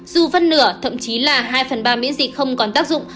dù phân nửa thậm chí là hai phần ba miễn dịch không còn tác dụng